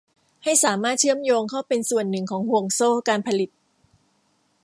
ให้สามารถเชื่อมโยงเข้าเป็นส่วนหนึ่งของห่วงโซ่การผลิต